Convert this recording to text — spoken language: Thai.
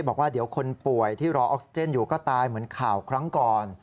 บอกว่าเดี๋ยวคนป่วยที่รอออกซิเจนอยู่ก็ตายเหมือนข่าวครั้งก่อน